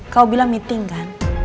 kau bilang meeting kan